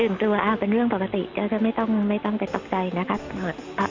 ตื่นตัวเป็นเรื่องปกติไม่ต้องไปตกใจนะคะ